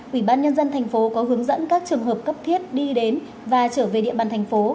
ủy ban nhân dân tp hcm có hướng dẫn các trường hợp cấp thiết đi đến và trở về địa bàn tp hcm